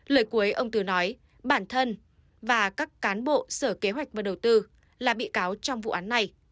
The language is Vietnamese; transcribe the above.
lời cuối ông từ nói bản thân và các cán bộ sở kế hoạch và đầu tư là bị cáo trong vụ án này